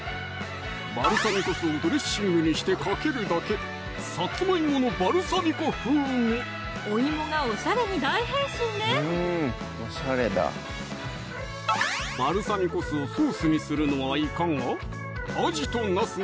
バルサミコ酢をドレッシングにしてかけるだけおイモがおしゃれに大変身ねバルサミコ酢をソースにするのはいかが？